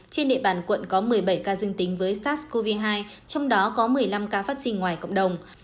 trên địa bàn quận có một mươi bảy ca dương tính với sars cov hai trong đó có một mươi năm ca phát sinh ngoài cộng đồng